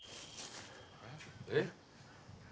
「えっ？」